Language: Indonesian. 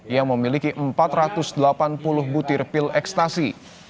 yang memiliki empat ratus delapan puluh butir pil ekstasi